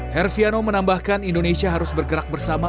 herviano menambahkan indonesia harus bergerak bersama